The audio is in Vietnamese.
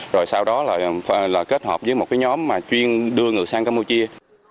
rồi sau đó là kết hợp với một nhóm chuyên đưa người sang campuchia